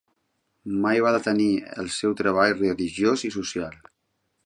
Mai va detenir el seu treball religiós i social.